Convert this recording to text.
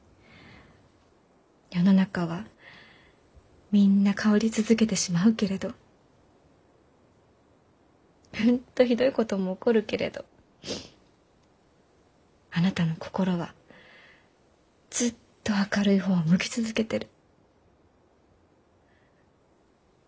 世の中はみんな変わり続けてしまうけれどうんとひどいことも起こるけれどあなたの心はずっと明るい方を向き続けてる。